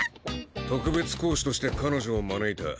特別講師として彼女を招いた。